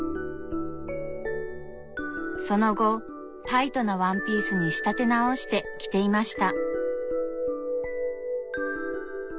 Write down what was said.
その後タイトなワンピースに仕立て直して着ていました。